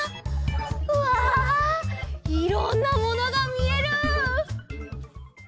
うわいろんなものがみえる！